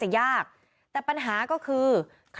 โหวตตามเสียงข้างมาก